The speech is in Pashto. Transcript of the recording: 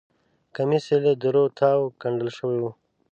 کمیس یې له درو تاوو ګنډل شوی و.